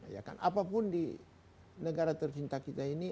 ya kan apapun di negara tercinta kita ini